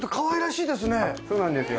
そうなんですよ。